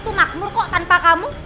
itu makmur kok tanpa kamu